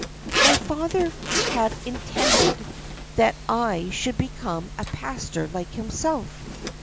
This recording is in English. "My father had intended that I should become a pastor like himself.